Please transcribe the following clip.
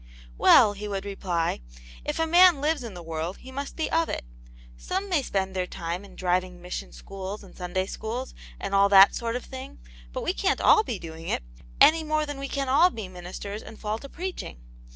" Well," he would reply, "if a man lives in the world he must be of it. Some may spend their time in driving mission schools and Sunday schools, and all that sort of thing, but we cian't all be doing it, any more than we can all be ministers and fall to preaching.